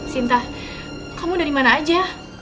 sinta kamu dari mana aja